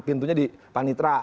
pintunya di panitra